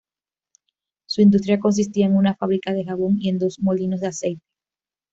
Su industria consistía en una fábrica de jabón y en dos molinos de aceite.